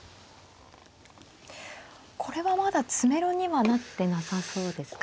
これはまだ詰めろにはなってなさそうですか。